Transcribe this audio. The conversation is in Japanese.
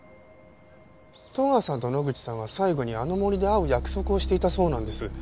戸川さんと野口さんは最後にあの森で会う約束をしていたそうなんです。